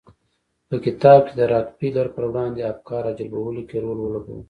په کتاب کې د راکفیلر پر وړاندې افکار راجلبولو کې رول ولوباوه.